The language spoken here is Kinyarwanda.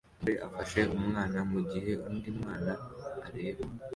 Umugore afashe umwana mugihe undi mwana areba